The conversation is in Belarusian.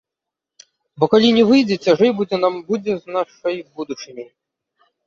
Бо калі не выйдзе, цяжэй будзе нам будзе з нашай будучыняй.